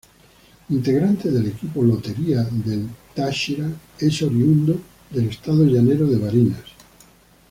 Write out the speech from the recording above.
Integrante del equipo Lotería del Táchira, es oriundo del estado llanero de Barinas.